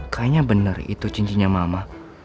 kayaknya benar itu cincinnya mama